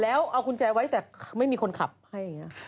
แล้วเอากุญแจไว้แต่ไม่มีคนขับให้